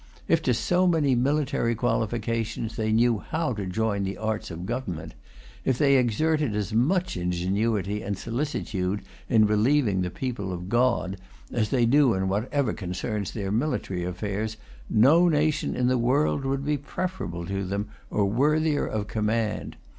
If to so many military qualifications they knew how to join the arts of government, if they exerted as much ingenuity and solicitude in relieving the people of God, as they do in whatever concerns their military affairs, no nation in the world would be preferable to them, or worthier of command.